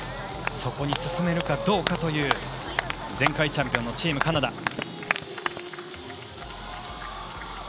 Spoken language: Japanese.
そこに進めるかどうかという前回チャンピオンのチームカナダ。